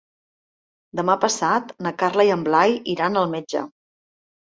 Demà passat na Carla i en Blai iran al metge.